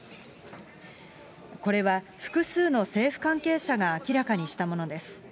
これは、複数の政府関係者が明らかにしたものです。